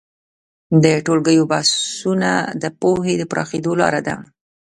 د ټولګیو بحثونه د پوهې د پراخېدو لاره ده.